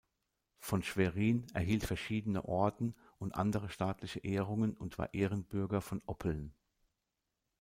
Von Schwerin erhielt verschiedene Orden und andere staatliche Ehrungen und war Ehrenbürger von Oppeln.